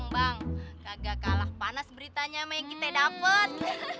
bang kagak kalah panas beritanya yang kita dapet